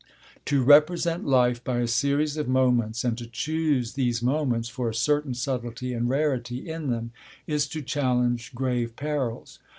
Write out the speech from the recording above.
To represent life by a series of moments, and to choose these moments for a certain subtlety and rarity in them, is to challenge grave perils.